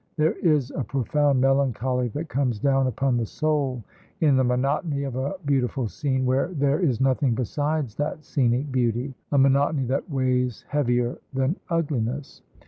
There is a profound melancholy that comes down upon the soul in the monotony of a beautiful scene where there is nothing besides that scenic beauty a monotony that weighs heavier than ugliness.